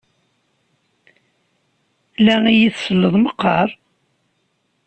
La iyi-tselleḍ meqqar?